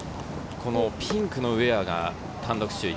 ピンクのウエアが単独首位